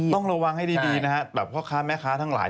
ต้องระวังให้ดีนะฮะแม่ค้าทั้งหลาย